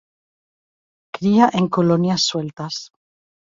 Cría en colonias sueltas.